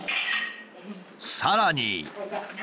さらに。